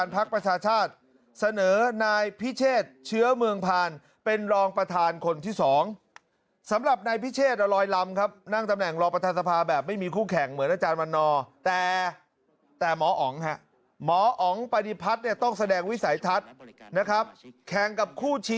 ไปดูรองประธานสภาครับ